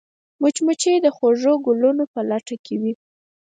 مچمچۍ د خوږو ګلونو په لټه کې وي